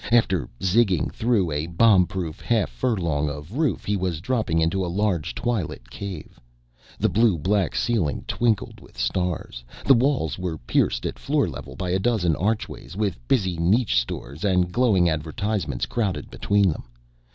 After zigging through a bombproof half furlong of roof, he was dropping into a large twilit cave. The blue black ceiling twinkled with stars. The walls were pierced at floor level by a dozen archways with busy niche stores and glowing advertisements crowded between them.